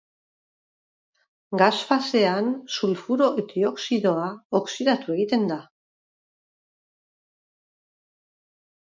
Gas fasean sulfuro dioxidoa oxidatu egiten da.